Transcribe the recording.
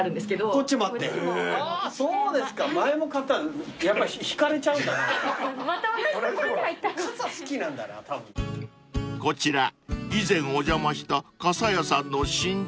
［こちら以前お邪魔した傘屋さんの新店］